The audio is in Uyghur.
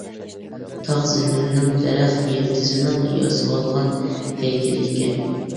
تاغ زېمىننىڭ، دەرەخ يىلتىزنىڭ، ياسىۋالغان ھەيكىلى ئىكەن.